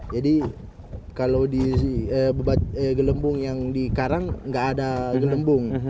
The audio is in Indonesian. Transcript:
jadi kalau di gelembung yang di karang nggak ada gelembung